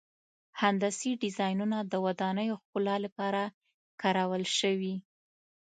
هندسي ډیزاینونه د ودانیو ښکلا لپاره کارول شوي.